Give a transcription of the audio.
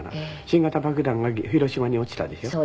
新型爆弾が広島に落ちたでしょ。